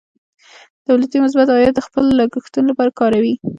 دولتونه مثبت عاید د خپلو لګښتونو لپاره کاروي.